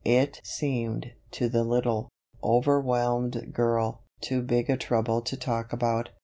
It seemed, to the little, overwhelmed girl, too big a trouble to talk about.